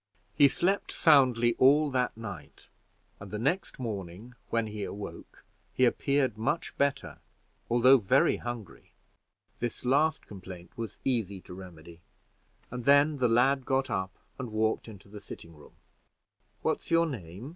He slept soundly all that night; and the next morning, when he awoke, he appeared much better, although very hungry. This last complaint was easy to remedy, and then the lad got up, and walked into the sitting room. "What's your name?"